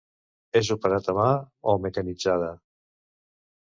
És operat a mà o mecanitzada.